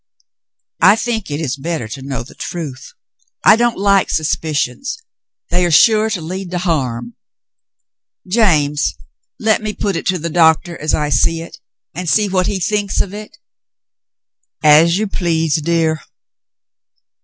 "I think it is better to know the truth. I don't like suspicions. They are sure to lead to harm. James, let me put it to the doctor as I see it, and see what he thinks of it." "As you please, dear."